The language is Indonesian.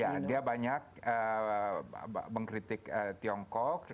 ya dia banyak mengkritik tiongkok